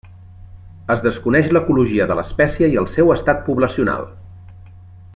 Es desconeix l'ecologia de l'espècie i el seu estat poblacional.